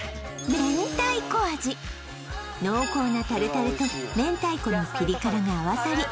濃厚なタルタルと明太子のピリ辛が合わさり